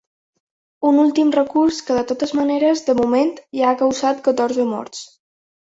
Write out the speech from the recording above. Un últim recurs que, de totes maneres, de moment ja ha causat catorze morts.